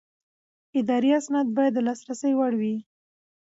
اداري اسناد باید د لاسرسي وړ وي.